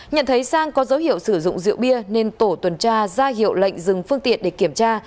nhận thấy sang có dấu hiệu sử dụng rượu bia nên tổ tuần tra ra hiệu lệnh dừng phương tiện để kiểm tra